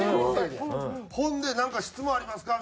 ほんでなんか質問ありますか？